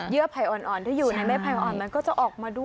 ไผ่อ่อนที่อยู่ในไม้ไผ่อ่อนมันก็จะออกมาด้วย